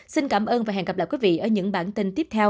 xin cảm ơn và hẹn gặp lại quý vị ở những bản tin tiếp theo